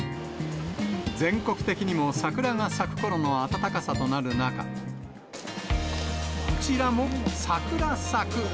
全国的にも桜が咲くころの暖かさとなる中、こちらもサクラサク。